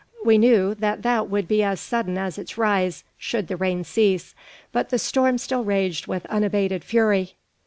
We knew that that would be as sudden as its rise, should the rain cease; but the storm still raged with unabated fury.